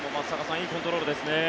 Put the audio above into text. いいコントロールですね。